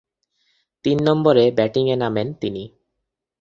তিন নম্বরে ব্যাটিংয়ে নামেন তিনি।